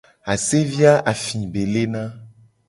Asevi a afivi be lena.